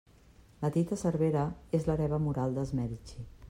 La Tita Cervera és l'hereva moral dels Medici.